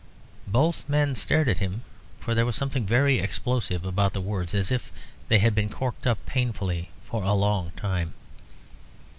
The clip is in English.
Both men stared at him, for there was something very explosive about the words, as if they had been corked up painfully for a long time.